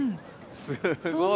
すごい。